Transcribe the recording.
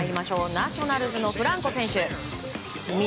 ナショナルズのフランコ選手。